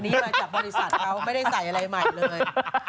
นี่มาจากบริษัทเขาไม่ได้ใส่อะไรใหม่เลย